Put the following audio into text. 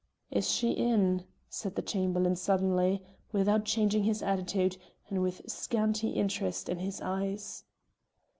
"Is she in?" said the Chamberlain, suddenly, without changing his attitude, and with scanty interest in his eyes.